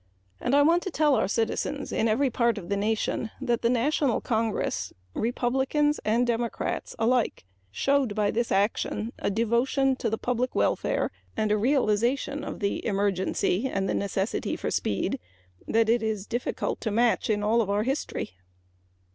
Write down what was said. I want to tell our citizens in every part of the nation that the national Congress Republicans and Democrats alike showed by this action a devotion to public welfare and a realization of the emergency and the necessity for speed that it is difficult to match in our history.